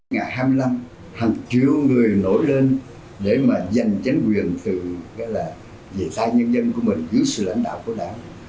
ngày hai mươi năm hàng triệu người nổi lên để mà giành chính quyền từ cái là về tai nhân dân của mình dưới sự lãnh đạo của đảng